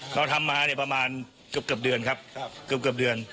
เขาทำมาเนี้ยประมาณเกือบเกือบเดือนครับครับเกือบเกือบเดือน